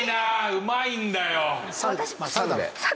うまいんだよ！